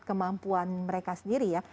kemampuan mereka sendiri ya